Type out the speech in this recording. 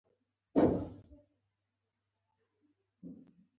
پیلوټ د هوا سړه تودوخه حسابوي.